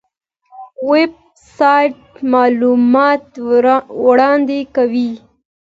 ویب سایټ معلومات وړاندې کوي